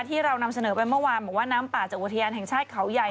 ที่เรานำเสนอไปเมื่อวานบอกว่าน้ำป่าจากอุทยานแห่งชาติเขาใหญ่